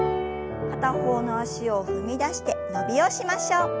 片方の脚を踏み出して伸びをしましょう。